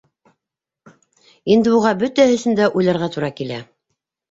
Инде уға бөтәһе өсөн дә уйларға тура килә.